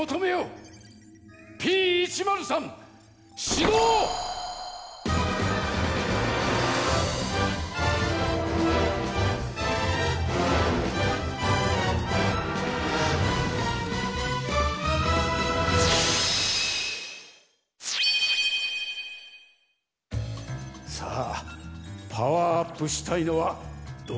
さあパワーアップしたいのはどのこかなあ？